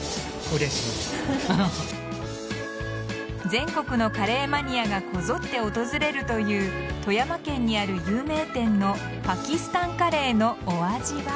全国のカレーマニアがこぞって訪れるという富山県にある有名店のパキスタンカレーのお味は。